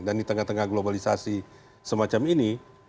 dan di tengah tengah globalisasi semacam ini